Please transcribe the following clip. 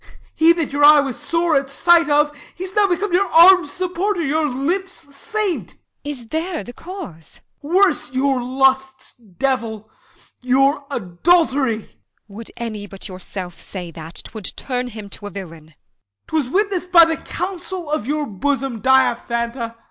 He that your eye was sore at sight of, He's now become your arm's supporter, your Lip's saint! Bea. Is there the cause ? Als. Worse : your lust's devil, Your adultery! Bea. Would any but yourself say that, 'Twould turn him to a villain. Als. 'Twas witness'd 55 By the counsel of your bosom, Diaphanta. Bea.